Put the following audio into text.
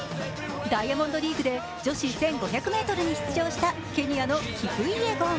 ダイヤモンドリーグで女子１５００ｍに出場したケニアのキプイエゴン。